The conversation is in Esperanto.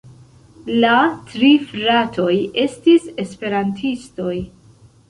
La tri fratoj estis Esperantistoj.